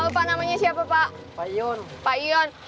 pak namanya siapa pak ion pak ion